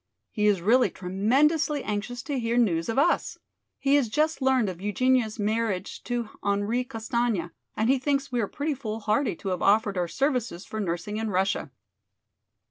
He is really tremendously anxious to hear news of us. He has just learned of Eugenia's marriage to Henri Castaigne, and he thinks we are pretty foolhardy to have offered our services for nursing in Russia."